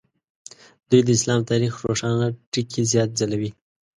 دوی د اسلام تاریخ روښانه ټکي زیات ځلوي.